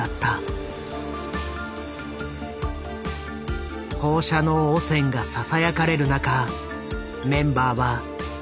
放射能汚染がささやかれる中メンバーは不安を拭えなかった。